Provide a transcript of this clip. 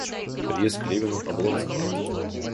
Приезд к Левину Облонского.